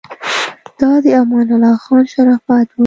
دا د امان الله خان شرافت و.